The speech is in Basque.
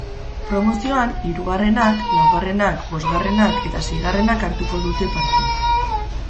Promozioan, hirugarrenak, laugarrenak, bosgarrenak eta seigarrenak hartuko dute parte.